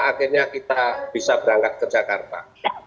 akhirnya kita bisa berangkat ke jakarta